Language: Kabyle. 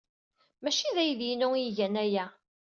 Maci d aydi-inu ay igan aya.